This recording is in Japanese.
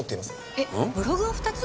えっブログを２つ？